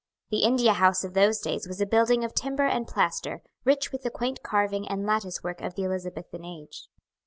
The India House of those days was a building of timber and plaster, rich with the quaint carving and lattice work of the Elizabethan age.